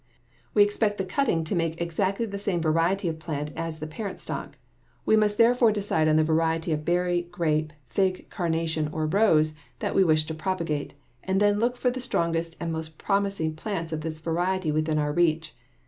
We expect the cutting to make exactly the same variety of plant as the parent stock. We must therefore decide on the variety of berry, grape, fig, carnation, or rose that we wish to propagate, and then look for the strongest and most promising plants of this variety within our reach.